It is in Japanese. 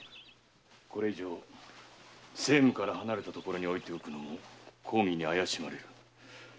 これ以上政務に離れたところに置いておくのも公儀に怪しまれる。